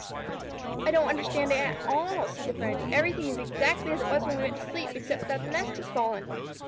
"I don't understand it at all," said the friend. "Everything is exactly as it was when we went to sleep, except that the nest has fallen."